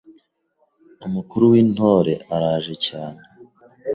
Umukuru w’Intore araje cyane